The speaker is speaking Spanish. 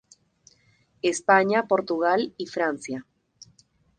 España, Portugal y Francia.